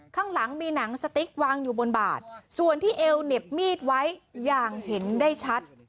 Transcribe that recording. ข้างหลังมีหนังสติ๊กวางอยู่บนบาดส่วนที่เอวเหน็บมีดไว้อย่างเห็นได้ชัด